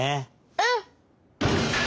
うん！